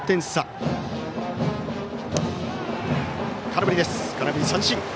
空振り三振。